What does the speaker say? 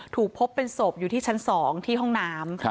ถูกพบเป็นศพอยู่ที่ชั้น๒ที่ห้องน้ำ